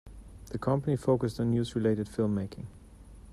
The company focussed on news-related filmmaking.